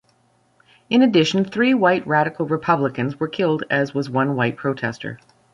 In addition, three white Radical Republicans were killed as was one white protester.